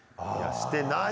してない。